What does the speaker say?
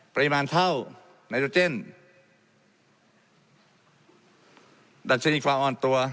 ปริมาณเท่าไนโตเจนดัชนีความอ่อนตัว